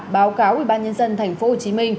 báo cáo ubnd tp hcm